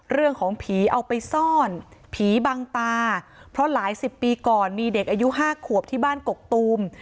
เรื่องของผีเอาไปซ่อนผีบังตาเพราะหลายสิบปีก่อนมีเด็กอายุ๕ขวบที่บ้านกกตูม